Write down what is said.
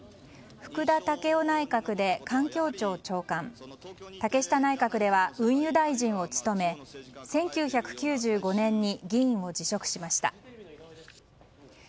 福田赳夫内閣で環境庁長官竹下内閣では運輸大臣を務め１９９５年に議員を辞職しました。